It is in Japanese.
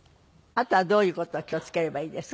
あとはどういう事を気を付ければいいですか？